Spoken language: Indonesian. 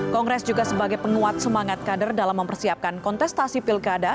kongres juga sebagai penguat semangat kader dalam mempersiapkan kontestasi pilkada